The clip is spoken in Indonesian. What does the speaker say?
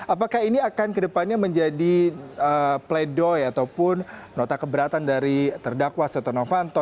apakah ini akan ke depannya menjadi play doh ataupun nota keberatan dari terdakwa setionofanto